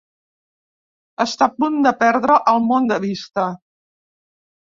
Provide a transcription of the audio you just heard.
Està a punt de perdre el món de vista.